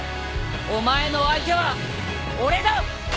お前の相手は俺だ！